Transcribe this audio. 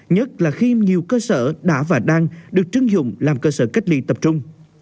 nhất là khi nhiều cơ sở đã và đang được trưng dụng làm cơ sở cách ly tập trung